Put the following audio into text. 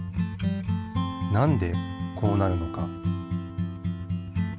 なんでこうなるのか？